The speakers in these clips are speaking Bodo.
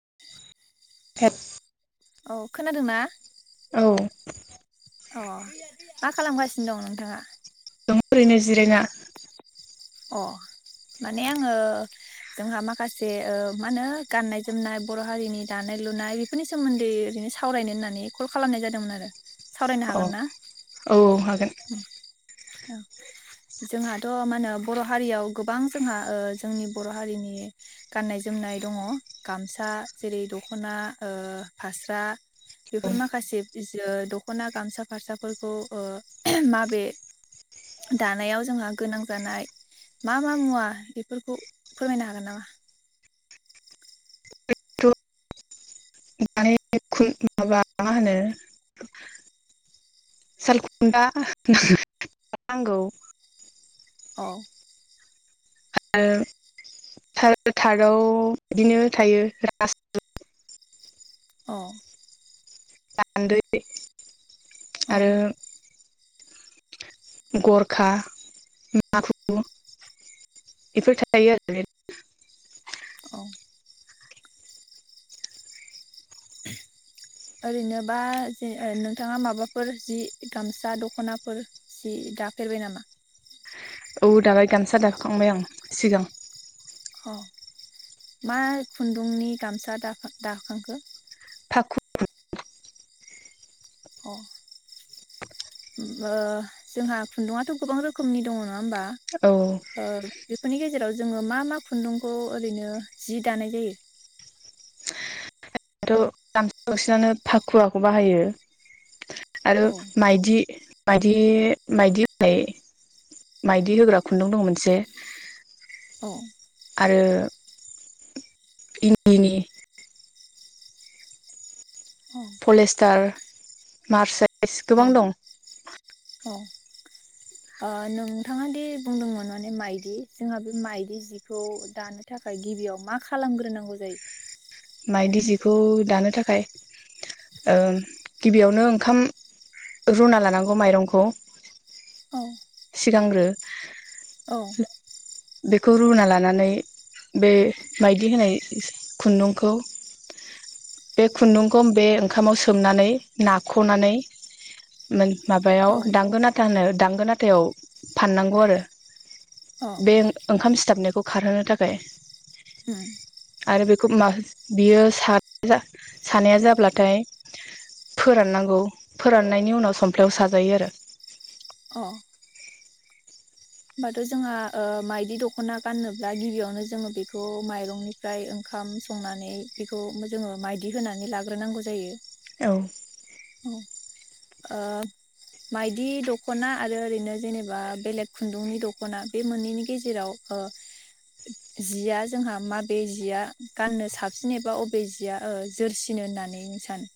[unintelligible] औ खोनादोंना। औ। अ मा खालामगासिनो दं नोंथाङा? दं ओरैनो जिरायना। अ माने आङो जोंहा माखासे ओ मा होनो गाननाय जोमनाय बर' हारिनि दानाय लुनाय बेफोरनि सोमोन्दै ओरैनो सावरायनो होननानै कल खालामनाय जादोंमोन आरो। सावरायनो औ हागोन ना? औ हागोन। औ जोंहाथ' मा होनो बर' हारियाव गोबां जोंहा ओ जोंनि बर' हारिनि गाननाय जोमनाय दङ गामसा जेरै दख'ना ओ फास्रा औ बेफोर माखासे ओ दख'ना गामसा फारसाफोरखौ ओ माबे दानायाव जोंहा गोनां जानाय मा-मा मुवा बेफोरखौ फोरमायनो हागोन नामा? थ' [inaudible] मा होनो [inaudible] औ आरो थार-थार्दआव बिदिनो थायो [inaudible] अ [inaudible] औ आरो गरखा माखु बेफोर थायो आरो औ ओरैनोबा जे नोंथाङा माबाफोर जि गामसा दख'नाफोर जि दाफेरबाय नामा औ दाबाय गानसा दाखांबाय आं सिगां औ मा खुन्दुंनि गामसा दाखा-दाखांखो? [inaudible] अ ओ जोंहा खुन्दुंआथ' गोबां रोखोमनि दङ नङा होमबा औ ओ बेफोरनि गेजेराव जोङो मा-मा खुन्दुंखौ ओरैनो जि दानाय जायो दाथ' गामसा बांसिनानो फाखुवाखौ बाहायो आरो औ माइदि माइदि-माइदि होनाय माइदि होग्रा खुन्दुं दं मोनसे औ आरो इन्दिनि औ पलेस्टार मार्सेल एस औ गोबां दं औ ओ नोंथाङा दि बुंदोंमोन माने माइदि जोंहा बे माइदि जिखौ दानो थाखाय गिबियाव मा खालामग्रोनांगौ जायो माइदि जिखौ दानो थाखाय ओ गिबियावनो ओंखाम रुना लानांगौ माइरंखौ औ सिगांग्रो औ बेखौ रुना लानानै बे माइदि होनाय खुन्दुं खौ बे खुन्दुंखौ बे ओंखामाव सोमनानै नाख'नानै मोन औ माबायाव दांगोनाथा होना दांगोन आथायाव फाननांगौ आरो। अ बे ओंखाम सि थाबनायखौ खारहोनो थाखाय उम [unintelligible] [unintelligible] बियो [unintelligible] सानाया जाब्लाथाय फोराननांगौ फोराननायनि उनाव समफ्लायाव साजायो आरो अ होमबाथ' जोंहा माइदि दख'ना गाननोब्ला गिबियावनो जोङो बेखौ माइरंनिफ्राय ओंखाम संनानै बेखौ जोङो माइदि होनानै लाग्रोनांगौ जायो। औ औ ओ माइदि दख'ना आरो ओरैनो जेनेबा बेलेग खुन्दुंनि दख'ना बे मोननैनि गेजेराव ओ जिया जोंहा माबे जिया गाननो साबसिन एबा अबे जिया ओ जोरसिनो होननानै नों सानो।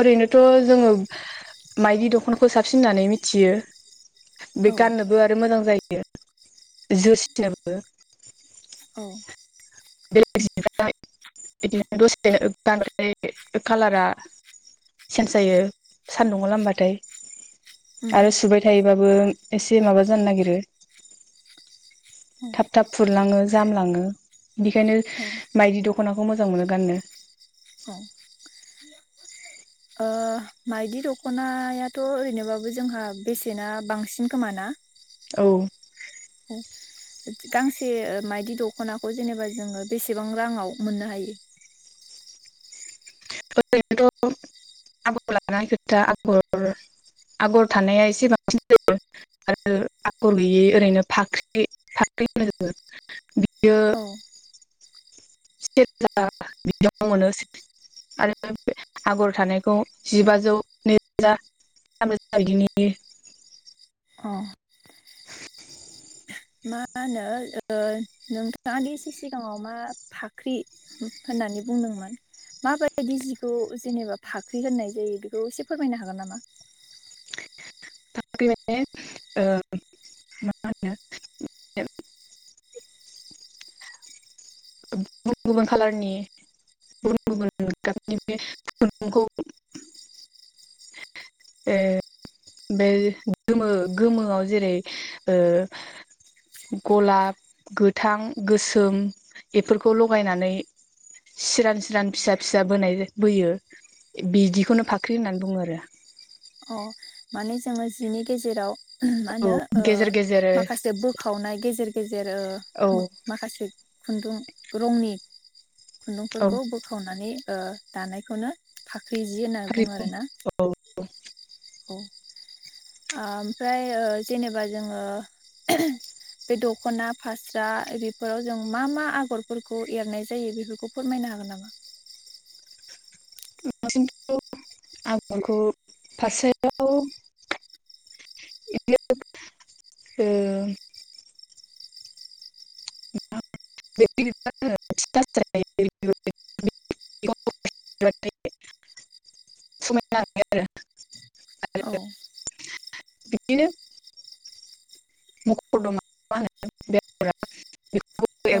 ओरैनोथ' जोङो माइदि दखनाखौ साबसिन होननानै मिथियो। औ बे गाननोबो आरो मोजां जा यो जोरसिथायाबो औ बेलेगनिफ्राय बिदिनो दसे बांद्राय कालारा चेन्ज जायो सानदुंआव लामबाथाय उम आरो सुबाय थायोबा बो एसे माबा जानो नागिरो औ थाब थाब फुरलाङो जामलाङो बिखायनो औ मायदि दख दख'नाखौ मोजां मोनो गाननो औ ओ माइदि दख'नायाथ' ओरैनोबाबो जोंहा बेसेना बांसिन खोमाना औ औ गांसे मायदि दख'नाखौ जेनेबा जोङो बेसेबां राङाव मोननो हायो ओरैनोथ' आगर लानाय खोथा आगर आगर थानाया एसे बांसिन जायो आरो आगर गैयै ओरैनो फाख्रि फाख्रि होनो जोङो औ से रोजा बिदियाव मोनो आरो आगर थानाय खौ जिबाजौ नै रोजा थाम रोजा इदिनि अह [inaudible] मा होनो नोंथाङा दि एसे सिगाङाव मा फाख्रि होननानै बुंदोंमोन माबायदि जिखौ जेनेबा फाख्रि होननाय जायो बेखौ एसे फोरमायनो हागोन नामा फाख्रि माने ओ मा होनो गुबुन गुबुन कालारनि गुबुन गुबुननि बे खुन्दुंखौ ए बे गोमो गोमोआव जेरै ओ गलाब गोथां गोसोम बेफोरखौ लगायनानै सिरान सिरान फिसा फिसा बोनाय बोयो बिदिखौनो फाख्रि होननानै बुङो आरो [inaudible] अ माने जोङो जिनि गेजेराव मा होनो ओ औ गेजेर गेजेर माखासे बोखावनाय गेजेर गेजेर औ ओ माखासे खुन्दुं रंनि औ खुन्दुंफोरखौ बोखावनानै ओ दानायखौनो फा फाख्रि जि होनना फाख्रि बुङो आरोना। औ ओ ओमफ्राय ओ जेनेबा जोङो बे दख'ना फास्रा बे बेफोराव जों मा मा आगरफोरखौ एरनाय जायो बेफोरखौ फोरमायनो हागोन नामा? दसिमथ' आगरखौ फास्रायाव बिदि ओ औ [unintelligible] औ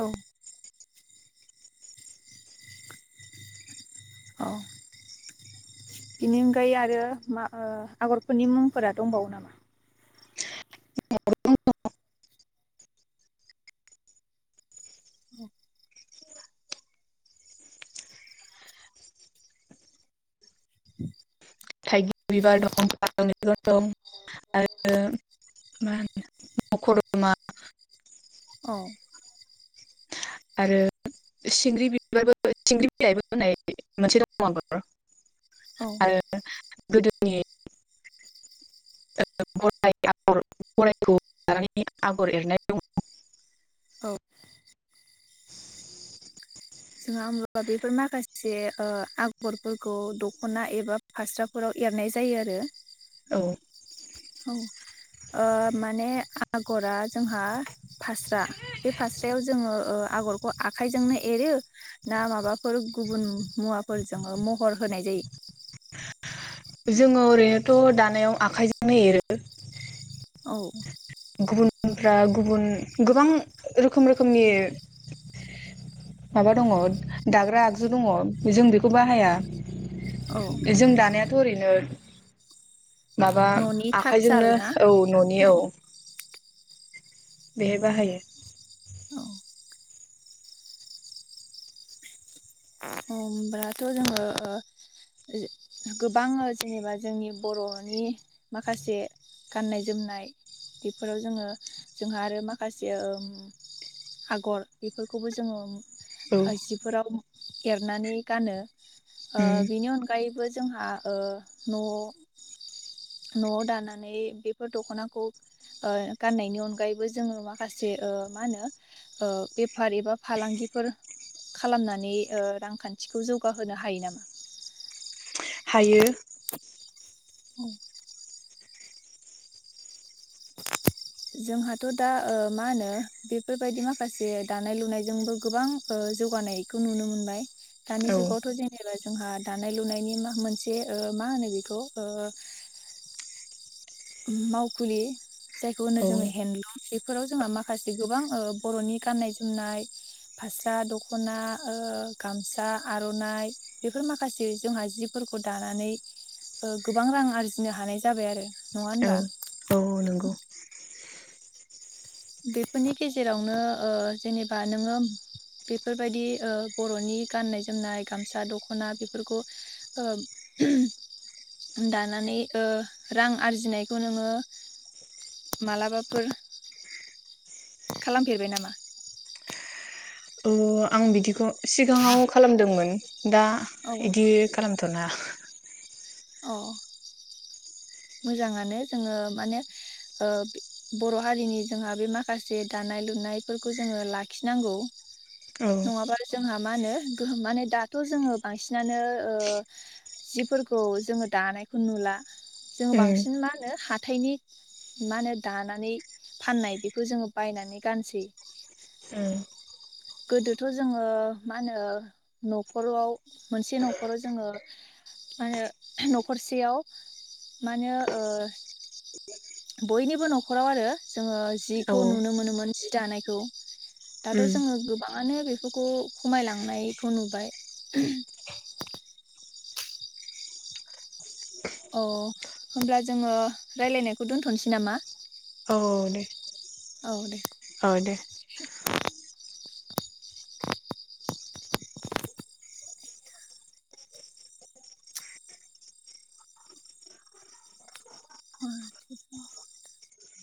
औ औ बेनि अनगायै आरो मा ओ आगरफोरनि मुंफोरा दंबावो नामा? [unintelligible] थाइगिर बिबार दं, फारौ मेगन दं, आरो मा होनो मखरदमा औ। आरो सिंग्रि बिबारबो सिंग्रि बिलाइबो होनाय मोनसे दङ आरो। औ आरो गोदोनि गराय आगर गरायखौ लानानै आगर एरनाय दङ। औ [inaudible] जोंहा होमब्लाबा बेफोर माखासे ओ आगरफोरखौ दख'ना एबा फास्राफोराव एरनाय जायो आरो। औ। औ, ओ माने आगरा जोंहा फास्रा बे फास्रायाव जोङो ओ आगरखौ आखाइजोंनो एरो ना माबाफोर गुबुन मुवाफोरजों महर होनाय जायो? जोङो ओरैनोथ' दानायाव आखाइजोंनो एरो। औ। गुबुनफ्रा गुबुन गोबां रोखोम रोखोमनि माबा दङ दाग्रा आगजु दङ जों बेखौ बाहाया। औ जों दानायाथ' ओरै नो माबा न'नि थाथसाल आखाइजोंनो ना? औ न'नि औ बेहाय बाहायो। औ। होमबाथ' जोङो गोबां जेनेबा जोंनि बर'नि माखासे गाननाय जोमनाय बेफोराव जोङो जोंहा आरो माखासे ओम आगर बेफोरखौबो जोङो औ जिफोराव एरनानै गानो। ओ उम बिनि अनगायैबो जोंहा ओ न' न'आव दानानै बेफोर दख'नाखौ ओ गाननायनि अनगायैबो जोङो माखासे ओ मा होनो ओ बेफार एबा फालांगिफोर खालामनानै ओ रांखान्थिखौ जौगाहोनो हायो नामा? हायो। औ। जोंहाथ' दा ओ मा होनो बेफोरबायदि माखासे दानाय लुनायजोंबो गोबां ओ जौगानायखौ नुनो मोनबाय। दानि औ जुगावथ' जेनेबा जोंहा दानाय लुनायनि मा मोनसे मा होनो बेखौ ओ मावखुलि जायखौ होनो औ जोङो हेन्दलुम बेफोराव जोंहा माखासे गोबां बर'नि गाननाय जोमनाय फास्रा दख'ना ओ गामसा आर'नाइ बेफोर माखासे जोंहा जिफोरखौ दानानै गोबां रां आरजिनो हानाय जाबाय आरो नङा औ होनबा औ औ नंगौ [inaudible] बेफोरनि गेजेरावनो जेनेबा नोङो बेफोरबायदि बर'नि गाननाय जोमनाय गामसा-दख'ना बेफोरखौ दानानै रां आरजिनायखौ नोङो मालाबाफोर [inaudible] खालामफेरबाय नामा? अ आं बिदिखौ सिगाङाव खालामदोंमोन। दा औ इदि खालामथ'ना औ मोजाङानो जोङो माने ओ बर' हारिनि जोंहा बे माखासे दानाय लुनायफोरखौ जोङो लाखिनांगौ औ नङाबा जोंहा मा होनो गोहोम माने दाथ' जोङो ओ बांसिनानो जिफोरखौ जोङो दानायखौ नुला जों उम बांसिन मा होनो हाथथायनि मा होनो दानानै फाननाय बेखौ जोङो बायनानै गानसै गोदोथ' जोङो मा होनो न'खराव मोनसे न'खराव जोङो मा होनो न'खरसेयाव मा होनो बयनिबो न'खराव आरो जोङो उम औ जिखौ नुनो मोनोमोन जि दानायखौ दाथ' उम जोङो गोबाङानो बेफोरखौ खमायलांनायखौ नुबाय अ होनब्ला जोंङो रायलायनायखौ दोन्थ'नोसै नामा औ दे औ दे औ दे दे